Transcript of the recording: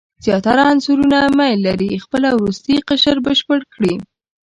زیاتره عنصرونه میل لري خپل وروستی قشر بشپړ کړي.